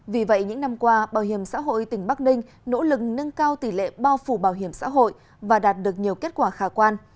vì vậy những năm qua bảo hiểm xã hội tỉnh bắc ninh nỗ lực nâng cao tỷ lệ bao phủ bảo hiểm xã hội và đạt được nhiều kết quả khả quan